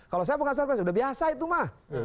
kalau saya bukan serba sudah biasa itu ma